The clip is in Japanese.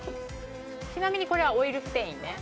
「ちなみにこれはオイルステインね」